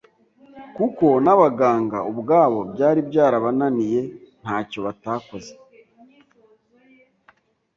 kuko n’abaganga ubwabo byari byarabananiye ntacyo batakoze